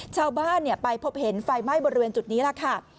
ชาวบ้านไปพบเห็นไฟไหม้บริเวณจุดนี้ล่ะค่ะ